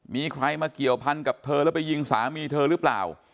มีใครมาเกี่ยวพันกับเธอแล้วไปยิงสามีเธอหรือเปล่า